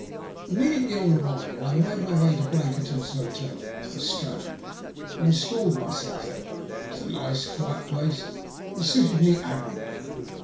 Immediately on arrival I made my way to Blankerton's Hotel, off the Strand, and installed my self there. It was a nice, quiet place, and suited me admirably.